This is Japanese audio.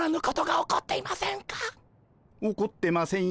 起こってませんよ。